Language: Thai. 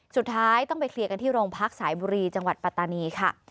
สุดท้ายต้องไปเคลียร์กันที่โรงพักสายบุรีจังหวัดปัตตานีค่ะ